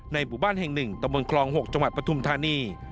ในบุบันแห่งหนึ่งตะวันคลอง๖จังหวัดปทุมธานี